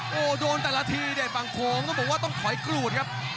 โอ้โหโดนแต่ละทีเด็ดฝั่งโค้งต้องบอกว่าต้องถอยกรูดครับ